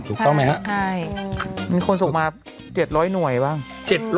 มีคนส่งมา๗๐๐หน่วยบ้าง